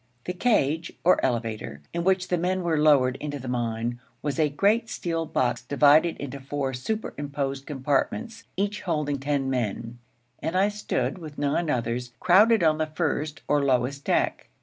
The cage, or elevator, in which the men were lowered into the mine, was a great steel box divided into four superimposed compartments, each holding ten men; and I stood, with nine others, crowded on the first or lowest deck.